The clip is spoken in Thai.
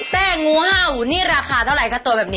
แป้งูเห่านี่ราคาเท่าไหร่คะตัวแบบนี้